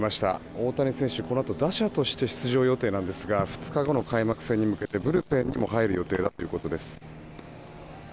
大谷選手、このあと打者として出場予定ですが２日後の開幕戦に向けてブルペンにも入る予定ということです。